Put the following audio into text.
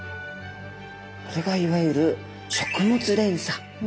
これがいわゆる食物連鎖。